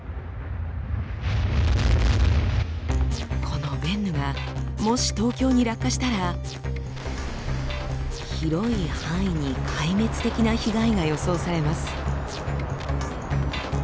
このベンヌがもし東京に落下したら広い範囲に壊滅的な被害が予想されます。